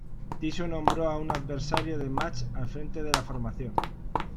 Tiso nombró a un adversario de Mach al frente de la formación.